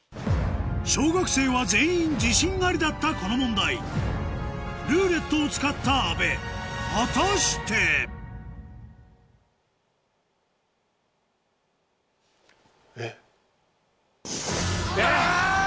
小学生は全員自信ありだったこの問題「ルーレット」を使った阿部果たして⁉えっ！